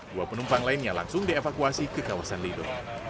dua penumpang lainnya langsung dievakuasi ke kawasan lido